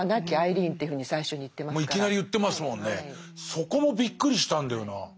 そこもびっくりしたんだよな。